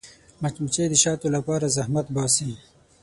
مچمچۍ د شاتو لپاره زحمت باسي